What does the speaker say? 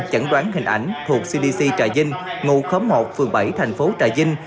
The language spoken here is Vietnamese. chẩn đoán hình ảnh thuộc cdc trà vinh ngụ khóm một phường bảy thành phố trà vinh